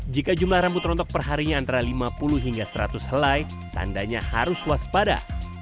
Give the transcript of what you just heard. jika jumlah rambut rontok perharinya antara lima puluh hingga seratus helai tandanya harus waspada